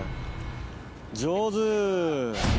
上手。